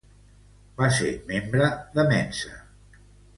Va ser membre de Mensa.